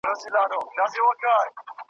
چي ځواني رخصتېدله مستي هم ورسره ولاړه ,